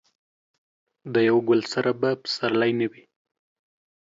د یو ګل سره به پسرلی نه وي.